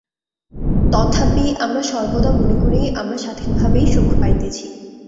তথাপি আমরা সর্বদা মনে করি, আমরা স্বাধীনভাবেই সুখ পাইতেছি।